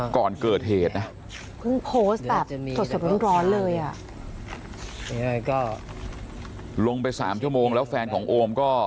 ก่อนเกิดเหตุนะลงไป๓ชั่วโมงแล้วแฟนของโอมก็